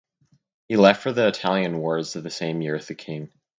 He left for the Italian wars the same year with the king.